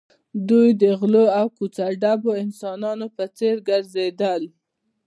دوی د غلو او کوڅه ډبو انسانانو په څېر ګرځېدل